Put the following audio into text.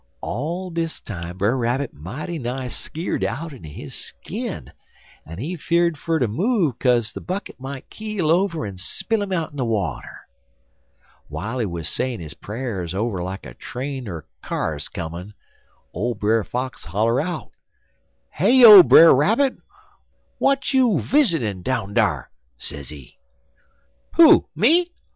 All dis time Brer Rabbit mighty nigh skeer'd outen his skin, en he fear'd fer ter move kaze de bucket might keel over en spill him out in de water. W'ile he sayin' his pra'rs over like a train er kyars runnin', ole Brer Fox holler out: "'Heyo, Brer Rabbit! Who you wizzitin' down dar?' sezee. "'Who? Me?